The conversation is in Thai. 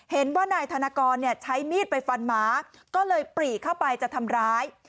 เห็นว่านายธนกรใช้มีดไปฟันหมาก็เลยปรีเข้าไปจะทำร้าย